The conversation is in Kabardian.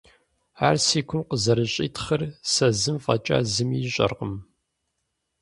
Ар си гум къызэрыщӀитхъыр сэ зым фӀэкӀа зыми ищӀэркъым…